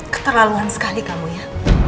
keterlaluan sekali kamu ya